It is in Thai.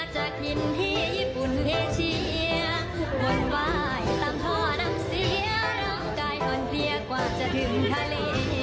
ศุษย์ลำปากมหายาให้ได้